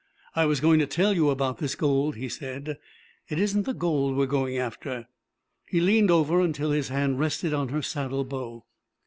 "I was going to tell you about this gold," he said. "It isn't the gold we're going after." He leaned over until his hand rested on her saddle bow.